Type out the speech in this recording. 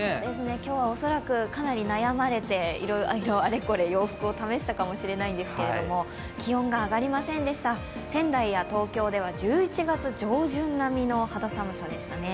今日は恐らくかなり悩まれて、いろいろあれこれ洋服を試したかもしれないんですけれども気温が上がりませんでした、仙台や東京では１１月上旬並みの肌寒さでしたね。